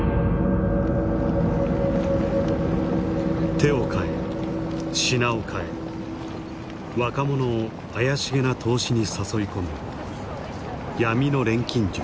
手を替え品を替え若者を怪しげな投資に誘い込む闇の錬金術。